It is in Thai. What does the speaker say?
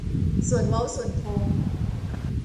ส่วนเว้าส่วนโค้ง